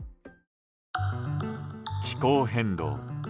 気候変動。